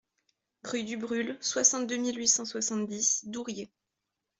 Rue Dubrulle, soixante-deux mille huit cent soixante-dix Douriez